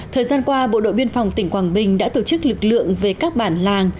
thời gian qua bộ đội biên phòng tỉnh quảng bình đã tổ chức lực lượng về các bản làng